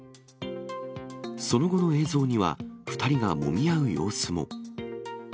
その後の映像には、２人がもみ合う様子も。